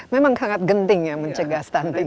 memang sangat genting ya mencegah stunting